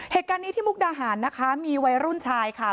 เหตุการณ์นี้ที่มุกดาหารนะคะมีวัยรุ่นชายค่ะ